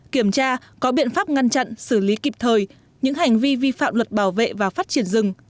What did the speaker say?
kiểm tra có biện pháp ngăn chặn xử lý kịp thời những hành vi vi phạm luật bảo vệ và phát triển rừng